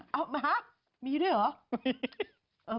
เอ้อำมัพมีด้วยหรอ